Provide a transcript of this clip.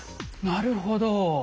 なるほど。